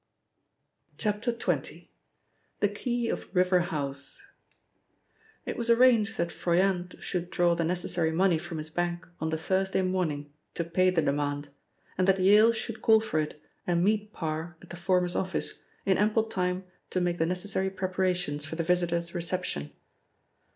XX. — THE KEY OF RIVER HOUSE IT was arranged that Froyant should draw the necessary money from his bank on the Thursday morning to pay the demand, and that Yale should call for it and meet Parr at the former's office in ample time to make the necessary preparations for the visitor's reception.